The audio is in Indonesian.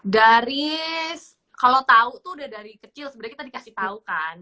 dari kalau tahu tuh udah dari kecil sebenarnya kita dikasih tahu kan